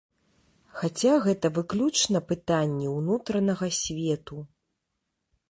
Хаця гэта выключна пытанні ўнутранага свету.